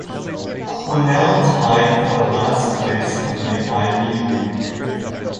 Cornell tied for last place in the Ivy League.